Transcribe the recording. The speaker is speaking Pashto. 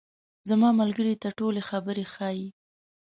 زما ملګري ته ټولې خبرې ښیې.